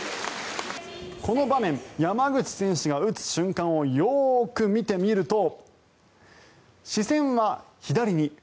この場面、山口選手が打つ瞬間をよく見てみると視線は左に。